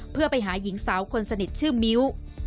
เพื่อไปหาหญิงสาวคนสนิทชื่อมิ้ว